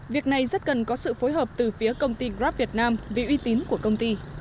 việc này rất cần có sự phối hợp từ phía công ty grab việt nam vì uy tín của công ty